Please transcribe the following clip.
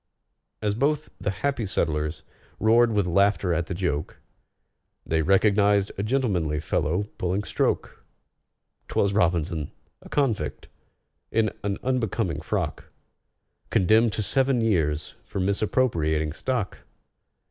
As both the happy settlers roared with laughter at the joke, They recognized a gentlemanly fellow pulling stroke: 'Twas ROBINSON—a convict, in an unbecoming frock! Condemned to seven years for misappropriating stock!!!